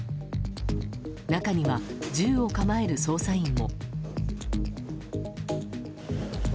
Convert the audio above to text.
中には、銃を構える捜査員も。